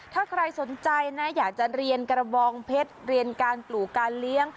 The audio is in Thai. ถ้าใครสนใจนะอยากจะเรียนกระบองเพชรเรียนการปลูกการเลี้ยง